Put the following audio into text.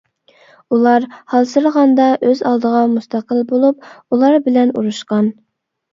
ئۇلار ھالسىرىغاندا ئۆز ئالدىغا مۇستەقىل بولۇپ، ئۇلار بىلەن ئۇرۇشقان.